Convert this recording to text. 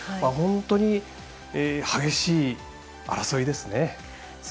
本当に激しい争いですね。